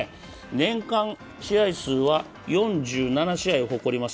年間試合数は４７試合を誇ります。